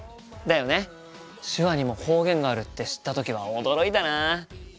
手話にも方言があるって知った時は驚いたな。